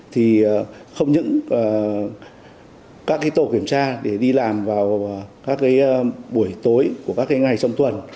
thì không những các cái tổ kiểm tra để đi làm vào các cái buổi tối của các cái ngày trong tuần